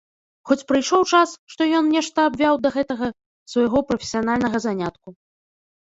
Хоць прыйшоў час, што ён нешта абвяў да гэтага свайго прафесіянальнага занятку.